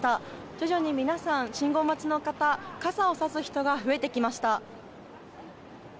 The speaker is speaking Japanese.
徐々に皆さん、信号待ちの方傘をさす人が増えてきました。